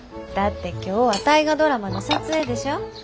だって今日は「大河ドラマ」の撮影でしょ。